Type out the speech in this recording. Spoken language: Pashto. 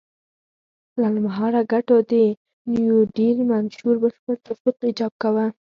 لنډ مهاله ګټو د نیوډیل منشور بشپړ تطبیق ایجاب کاوه.